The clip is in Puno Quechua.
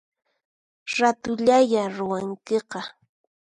Ratullaya ruwankiqa